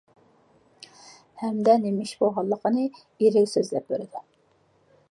ھەمدە نېمە ئىش بولغانلىقىنى ئېرىگە سۆزلەپ بېرىدۇ.